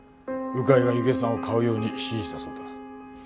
鵜飼は弓削山を買うように指示したそうだ。